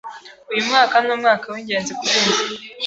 Uyu mwaka ni umwaka w'ingenzi kuri njye.